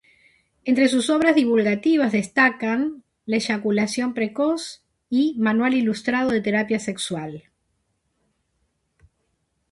Entre sus obras divulgativas destacan "La eyaculación precoz "y "Manual ilustrado de terapia sexual".